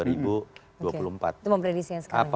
itu mempredisinya sekarang ya